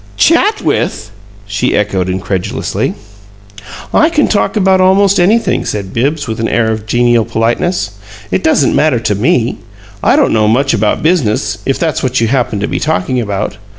"'CHAT with'!" she echoed, incredulously. "I can talk about almost anything," said Bibbs with an air of genial politeness. "It doesn't matter to ME. I don't know much about business if that's what you happened to be talking about.